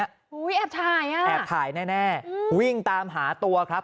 โอ้โหแอบถ่ายอ่ะแอบถ่ายแน่วิ่งตามหาตัวครับ